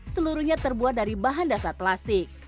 seluruhnya terbuat dari bahan dasar plastik